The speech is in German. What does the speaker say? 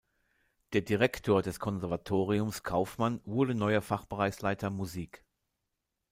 Der Direktor des Konservatoriums Kauffmann wurde neuer Fachbereichsleiter Musik.